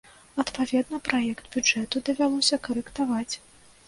Адпаведна, праект бюджэту давялося карэктаваць.